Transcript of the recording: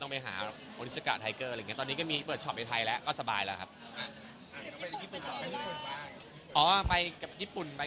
ก็เป็นแบรนด์นี้ก็เป็นแบรนด์ที่พองใจคนไทยอยู่แล้ว